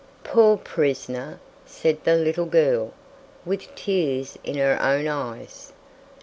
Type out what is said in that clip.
"Poor prisoner!" said the little girl, with tears in her own eyes.